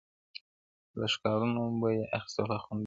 له ښكارونو به يې اخيستل خوندونه-